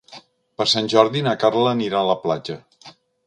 Per Sant Jordi na Carla anirà a la platja.